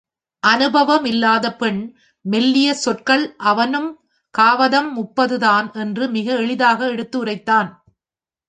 அனுபவமில்லாத பெண் மெல்லிய சொற்கள் அவனும் காவதம் முப்பதுதான் என்று மிக எளிதாக எடுத்து உரைத்தான்.